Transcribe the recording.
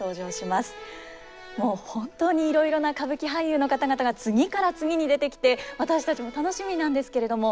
もう本当にいろいろな歌舞伎俳優の方々が次から次に出てきて私たちも楽しみなんですけれども。